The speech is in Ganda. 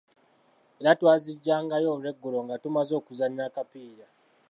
Ente twaziggyangayo lweggulo nga tumaze okuzannya akapiira.